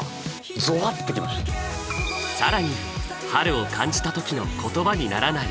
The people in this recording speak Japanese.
更に春を感じた時の言葉にならない